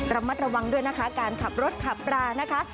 ระมัดระวังด้วยนะคะการขับรถขับรานะคะ